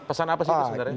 pesan apa sih itu sebenarnya